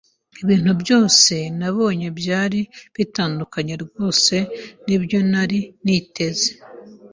Ibintu byose nabonye byari bitandukanye rwose nibyo nari niteze.